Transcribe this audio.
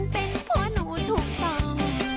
เป็นเพราะหนูถูกต้อง